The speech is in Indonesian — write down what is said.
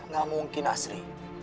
gak mungkin asri